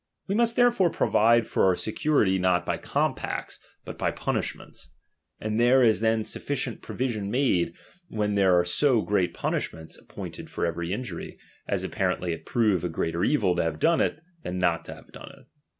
We must therefore provide for our security, not by compacts, but by punishments; aud there is then sufficient provision made, when there are so great punishments appointed for every injury, as apparently it prove a greater evil to have done it, than not to have done it.